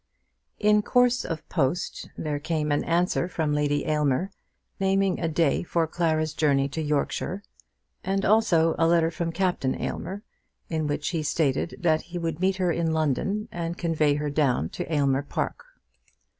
In course of post there came an answer from Lady Aylmer, naming a day for Clara's journey to Yorkshire, and also a letter from Captain Aylmer, in which he stated that he would meet her in London and convey her down to Aylmer Park.